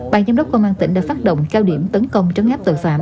bàn giám đốc công an tỉnh đã phát động cao điểm tấn công trấn áp tội phạm